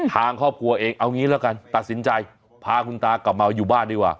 ทางครอบครัวเองเอางี้แล้วกันตัดสินใจพาคุณตากลับมาอยู่บ้านดีกว่า